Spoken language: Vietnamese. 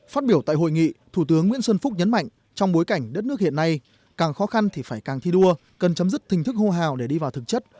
phát biểu tại hội nghị thủ tướng nguyễn xuân phúc nhấn mạnh trong bối cảnh đất nước hiện nay càng khó khăn thì phải càng thi đua cần chấm dứt hình thức hô hào để đi vào thực chất